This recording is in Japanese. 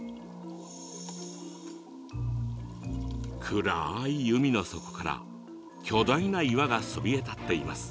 暗い海の底から巨大な岩がそびえ立っています。